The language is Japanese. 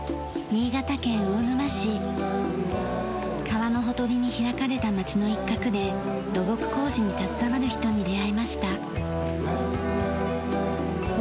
川のほとりに拓かれた町の一画で土木工事に携わる人に出会いました。